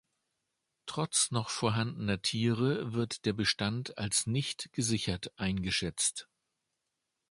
Trotz noch vorhandener Tiere wird der Bestand als nicht gesichert eingeschätzt.